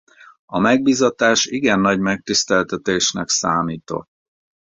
A megbízatás igen nagy megtiszteltetésnek számított.